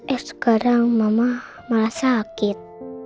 eh sekarang mama malah sakit